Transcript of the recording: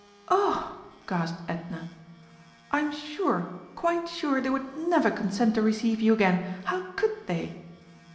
"Oh!" gasped Edna, "I'm sure, quite sure, they would never consent to receive you again. How could they?"